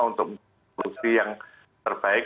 untuk solusi yang terbaik